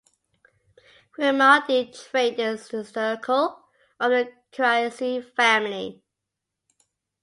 Grimaldi trained in the circle of the Carracci family.